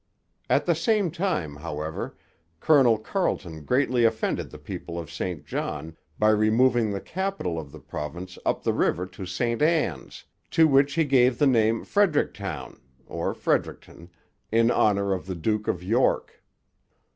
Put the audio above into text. At the same time, however, Colonel Carleton greatly offended the people of St John by removing the capital of the province up the river to St Anne's, to which he gave the name Fredericktown (Fredericton) in honour of the Duke of York.